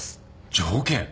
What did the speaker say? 条件？